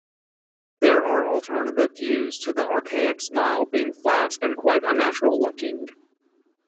There are alternative views to the archaic smile being "flat and quite unnatural looking".